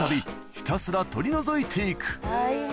ひたすら取り除いていく大変。